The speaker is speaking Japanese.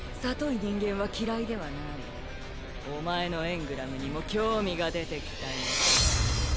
人間は嫌いではないお前のエングラムにも興味が出てきたよ